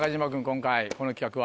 今回この企画は。